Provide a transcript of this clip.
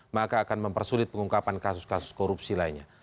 maka akan mempersulit pengungkapan kasus kasus korupsi lainnya